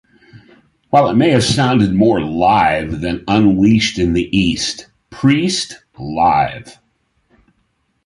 While it may have sounded more "live" than "Unleashed in the East", "Priest...Live!